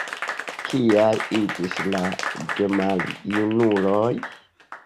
Kiaj iĝis la gemaljunuloj?